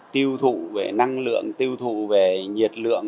tiêu thụ về năng lượng tiêu thụ về nhiệt lượng